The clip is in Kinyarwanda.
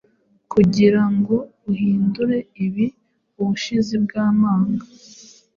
Kugirango uhindure ibi ubushizi bwamanga